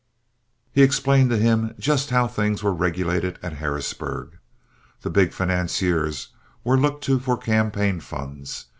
He explained to him just how things were regulated at Harrisburg. The big financiers were looked to for campaign funds.